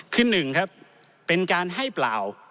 คือหนึ่งครับเป็นการให้เปล่า